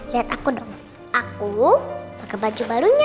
lihat aku dong aku pakai baju barunya